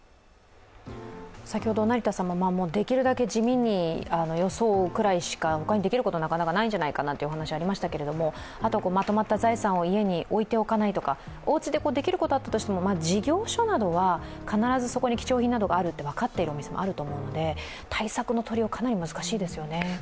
先ほど成田さんもできるだけ地味に装うぐらいしか、ほかにできることなんかないんじゃないかというお話がありましたけれども、あとはまとまった財産を家に置いておかないとかおうちでできることがあったとしても、事業所などは必ずそこに貴重品などがあると分かっているお店などもあると思うので対策のとりよう、かなり難しいですよね。